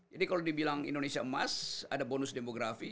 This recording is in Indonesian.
jadi kalau dibilang indonesia emas ada bonus demografi